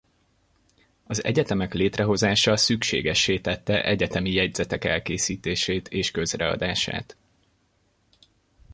Az egyetemek létrehozása szükségessé tette egyetemi jegyzetek elkészítését és közreadását.